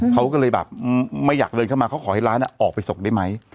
เขาก็เลยแบบไม่อยากเดินเข้ามาเขาขอให้ร้านออกไปส่งได้ไหม